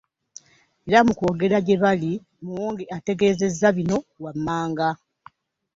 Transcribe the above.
Era mu kwogerako gye bali Muwonge ategeezezza bino wammanga